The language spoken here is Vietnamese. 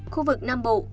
khu vực nam bộ